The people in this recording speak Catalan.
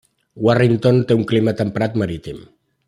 Warrington té un clima temperat marítim.